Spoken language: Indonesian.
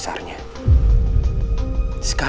sampai ketemu geez